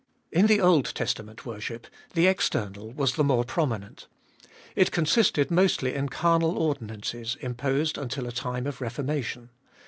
In the Old Testament worship the external was the more prominent. It consisted mostly in carnal ordinances, imposed until a time of reformation.